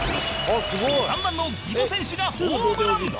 ３番の宜保選手がホームラン